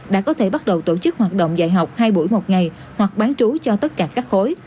đã có thể bắt đầu tổ chức hoạt động dạy học hai buổi một ngày hoặc bán trú cho tất cả các khối